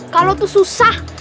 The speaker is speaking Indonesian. kalo tuh susah